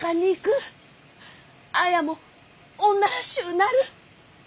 綾も女らしゅうなる！